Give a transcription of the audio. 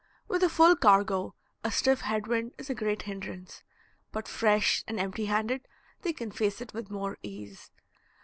With a full cargo, a stiff head wind is a great hindrance, but fresh and empty handed they can face it with more ease.